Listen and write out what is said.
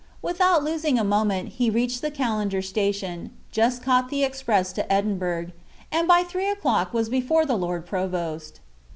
Without losing a moment he reached the Callander station, just caught the express to Edinburgh, and by three o'clock was before the Lord Provost.